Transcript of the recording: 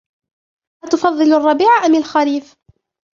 أتفضل الربيع أم الخريف ؟